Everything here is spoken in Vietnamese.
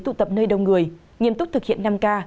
tụ tập nơi đông người nghiêm túc thực hiện năm k